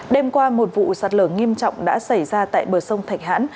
đêm qua một vụ sạt lở nghiêm trọng đã xảy ra tại bờ sông thạch hãn